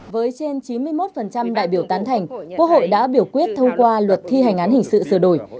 với trên chín mươi một đại biểu tán thành quốc hội đã biểu quyết thông qua luật thi hành án hình sự sửa đổi